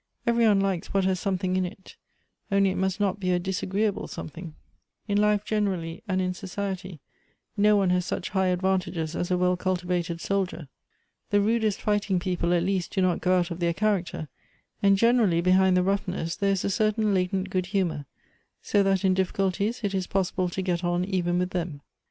Every one likes what has something in it, only it must not be a disagreeable some thing. Elective Affinities. 201 " In life generally, and in society no one has such high advantages as a well cultivated soldier. "The rudest fighting jicople at least do not go out of their character, and generally behind the roughness there is a certain latent good humor, so that in difEculties it is possible to get on even with them.